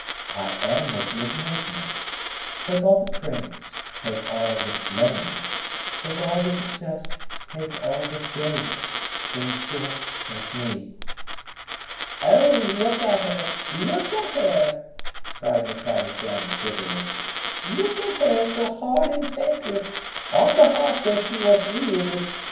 "I am what you have made me. Take all the praise, take all the blame; take all the success, take all the failure; in short, take me." "O, look at her, look at her!" cried Miss Havisham, bitterly; "Look at her so hard and thankless, on the hearth where she was reared!